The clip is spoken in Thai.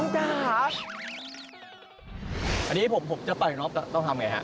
นนี่ผมจะปล่อยน้องไปต้องทำไงฮะ